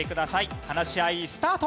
話し合いスタート！